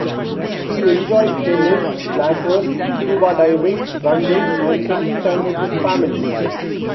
He enjoyed tennis, lacrosse, scuba diving, running, and spending time with his family.